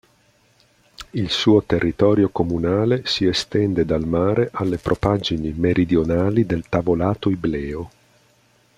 Il suo territorio comunale si estende dal mare alle propaggini meridionali del tavolato ibleo.